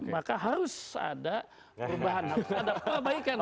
maka harus ada perubahan harus ada perbaikan